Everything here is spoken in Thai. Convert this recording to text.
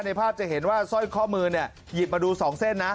ภาพจะเห็นว่าสร้อยข้อมือเนี่ยหยิบมาดู๒เส้นนะ